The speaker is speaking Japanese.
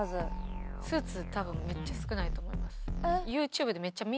スーツ多分めっちゃ少ないと思います。